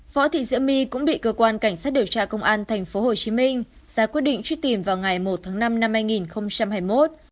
võ thị diễm my cũng bị cơ quan cảnh sát điều tra công an tp hcm ra quyết định truy tìm vào ngày một tháng năm năm hai nghìn hai mươi một